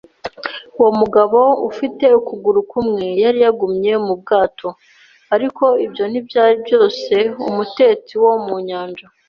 “Uwo mugabo ufite ukuguru kumwe yari yagumye mu bwato.” Ariko ibyo ntibyari byose. Umutetsi wo mu nyanja